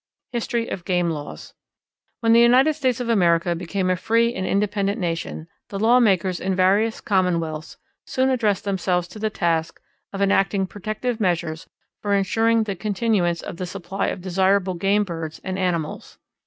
History of Game Laws. When the United States of America became a free and independent nation the lawmakers in various commonwealths soon addressed themselves to the task of enacting protective measures for insuring the continuance of the supply of desirable game birds and animals.